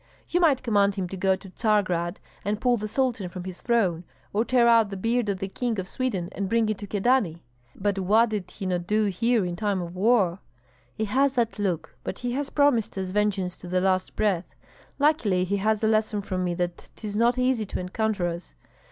You might command him to go to Tsargrad and pull the Sultan from his throne, or tear out the beard of the King of Sweden and bring it to Kyedani. But what did he not do here in time of war?" "He has that look, but he has promised us vengeance to the last breath. Luckily he has a lesson from me that 'tis not easy to encounter us.